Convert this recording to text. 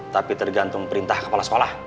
tapi tergantung perintah kepala sekolah